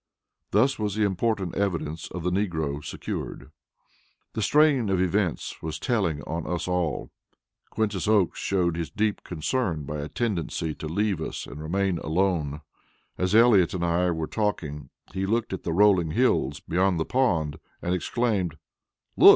Thus was the important evidence of the negro secured. The strain of events was telling on us all. Quintus Oakes showed his deep concern by a tendency to leave us and remain alone. As Elliott and I were talking, he looked at the rolling hills beyond the pond and exclaimed: "Look!